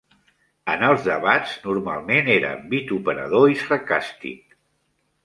En els debats normalment era vituperador i sarcàstic.